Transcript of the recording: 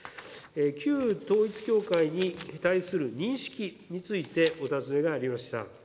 旧統一教会に対する認識についてお尋ねがありました。